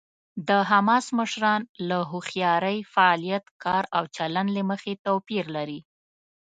د حماس مشران له هوښیارۍ، فعالیت، فکر او چلند له مخې توپیر لري.